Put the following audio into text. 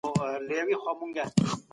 سياستپوه د پيښو تحليل کړی دی.